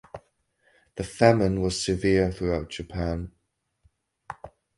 The famine was severe throughout Japan.